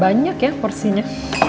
banyak ya porsinya